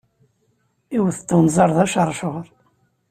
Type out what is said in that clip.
Iwet-d unẓar d aceṛcuṛ.